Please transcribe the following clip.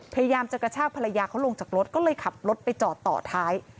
พยายามจะกระชากภรรยาเขาลงจากรถก็เลยขับรถไปจอดต่อท้าย